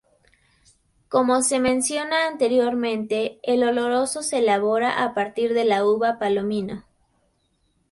Como se menciona anteriormente, el "oloroso" se elabora a partir de la uva palomino.